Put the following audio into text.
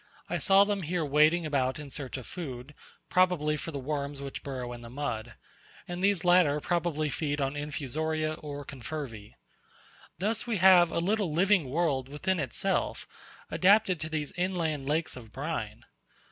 I saw them here wading about in search of food probably for the worms which burrow in the mud; and these latter probably feed on infusoria or confervae. Thus we have a little living world within itself adapted to these inland lakes of brine.